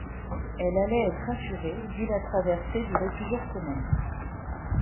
Elle allait être assurée, dût la traversée durer plusieurs semaines.